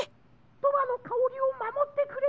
・「とわのかおり」をまもってくれ！